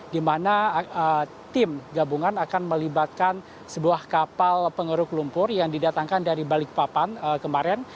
di mana tim gabungan akan melibatkan sebuah kapal pengeruk lumpur yang didatangkan dari balikpapan kemarin